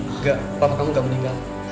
enggak papa kamu nggak meninggal